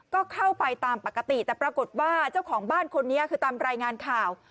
ก็เข้าไปตามปกติแต่ปรากฏว่าเจ้าของบ้านคนนี้คือตามรายงานข่าว